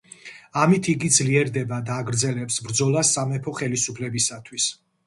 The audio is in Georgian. ამით იგი ძლიერდება და აგრძელებს ბრძოლას სამეფო ხელისუფლებისათვის.